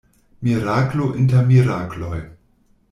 Miraklo inter mirakloj.